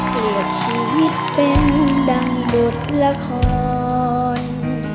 เปรียบชีวิตเป็นดังบทละคร